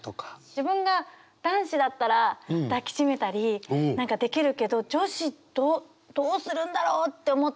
自分が男子だったら抱きしめたりできるけど女子どうするんだろうって思って。